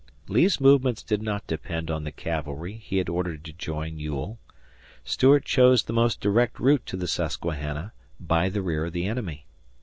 Lee's movements did not depend on the cavalry he had ordered to join Ewell. Stuart chose the most direct route to the Susquehanna by the rear of the enemy.